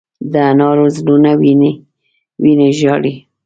د انارو زړونه وینې، وینې ژاړې